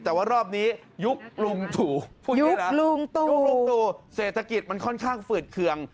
แต่ว่ารอบนี้ยุคลุงตู่เศรษฐกิจมันค่อนข้างฝืดเขือง